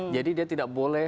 jadi dia tidak boleh